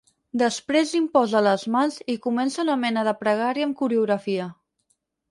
Després li imposa les mans i comença una mena de pregària amb coreografia.